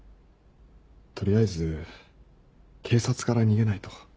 取りあえず警察から逃げないと。